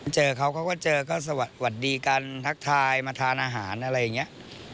เจอเขาเขาก็เจอก็สวัสดีกันทักทายมาทานอาหารอะไรอย่างนี้